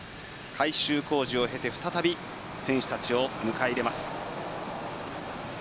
改修工事を経て再び選手たちを迎え入れます。